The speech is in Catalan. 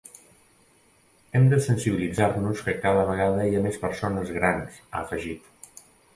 “Hem de sensibilitzar-nos que cada vegada hi ha més persones grans”, ha afegit.